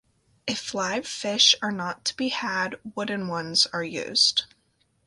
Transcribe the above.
If live fish are not to be had, wooden ones are used.